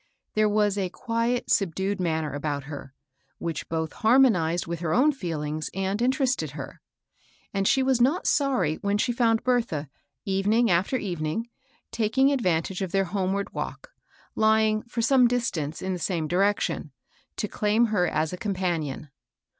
There was a quiet, subdued manner about her, which both harmonized with her own feelings and interested her ; and she was not sorry when she found Bertha, evening after evening, taking advantage of their homeward walk, lying, for some distance, in the same direction, to claim her as a companion.